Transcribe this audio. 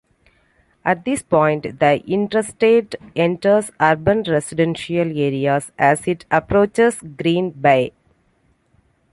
At this point, the Interstate enters urban residential areas as it approaches Green Bay.